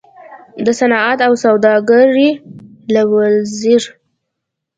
د صنعت او سوداګرۍ له وزیر